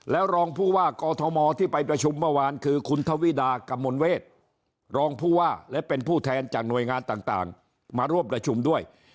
แล้วรองผู้ว่ากอทมที่ไปประชุมเมื่อวานคือคุณทวิดากมลเวทรองผู้ว่าและเป็นผู้แทนจากหน่วยงานต่างมาร่วมประชุมด้วย